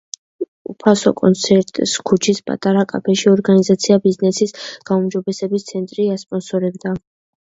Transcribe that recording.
უფასო კონცერტს ქუჩის პატარა კაფეში ორგანიზაცია -„ბიზნესის გაუმჯობესების ცენტრი“- ასპონსორებდა.